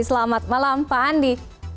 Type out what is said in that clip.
selamat malam pak andi